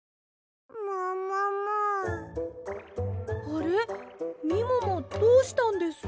あれみももどうしたんです？